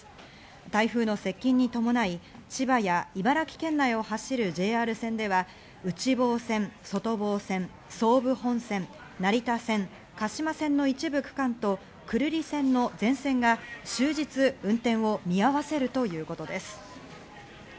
台風の接近に伴い、千葉や茨城県内を走るＪＲ線では、内房線、外房線、総武本線、成田線、鹿島線の一部区間と久留里線の全線が終日運転を見合わせるということです。